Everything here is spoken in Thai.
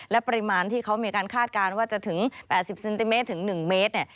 และปริมาณที่เขามีการคาดการณ์ว่าจะถึง๘๐เซนติเมตรถึง๑เมตร